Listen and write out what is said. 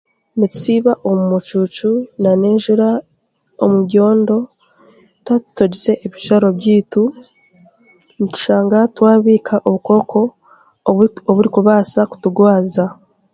Nitusiiba omu mucuucu nan'enjura omu byondo twatutoogize ebijwaro byaitu nitushanga twabiika obukooko oburikubaasa kutugwaza